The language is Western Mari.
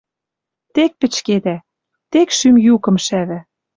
Тек пӹчкедӓ, тек шӱм юкым шӓвӓ